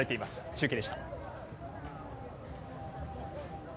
中継でした。